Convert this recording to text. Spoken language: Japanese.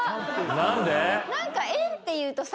何で？